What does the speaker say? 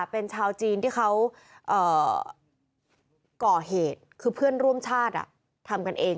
เป็นชาวจีนที่เขาก่อเหตุคือเพื่อนร่วมชาติทำกันเอง